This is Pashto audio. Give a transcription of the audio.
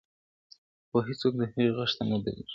o خو هېڅ څوک د هغې غږ ته نه درېږي,